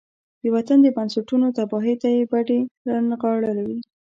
د وطن د بنسټونو تباهۍ ته يې بډې را نغاړلې وي.